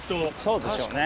そうでしょうね。